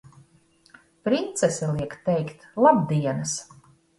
Princese liek teikt labdienas!